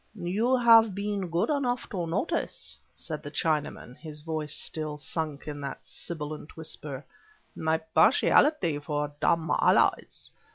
"You have been good enough to notice," said the Chinaman, his voice still sunk in that sibilant whisper, "my partiality for dumb allies.